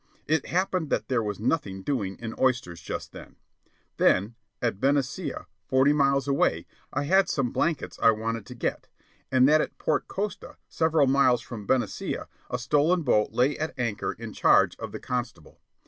It happened that there was nothing doing in oysters just then; that at Benicia, forty miles away, I had some blankets I wanted to get; and that at Port Costa, several miles from Benicia, a stolen boat lay at anchor in charge of the constable.